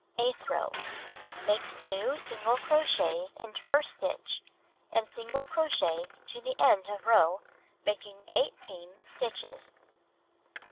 Eighth row: Make 2 single crochets in first stitch and single crochets to the end of row, making 18 stitches.